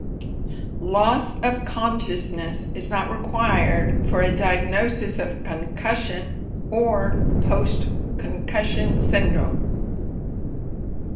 Loss of consciousness is not required for a diagnosis of concussion or post-concussion syndrome.